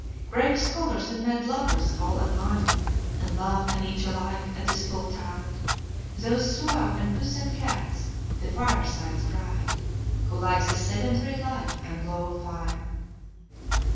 "Grave scholars and mad lovers all admire And love, and each alike, at his full tide Those suave and puissant cats, the fireside's pride, Who like the sedentary life and glow of fire."